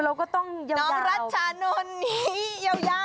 เราก็ต้องเยาวน้องรัชนุนฮีเยาว